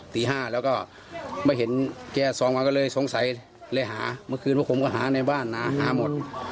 ตี๕แล้วก็ไม่เห็นแก๒วันก็เลยสงสัยเลยหาเมื่อคืนว่าผมก็หาในบ้านนะหาหมด